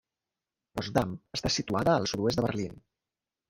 Potsdam està situada al sud-oest de Berlín.